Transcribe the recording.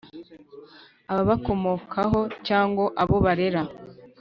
ababakomokaho cyangwa abo barera